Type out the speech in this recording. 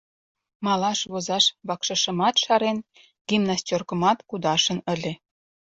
Малаш возаш вакшышымат шарен, гимнастёркымат кудашын ыле.